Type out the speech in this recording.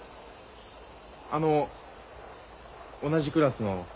あの同じクラスの。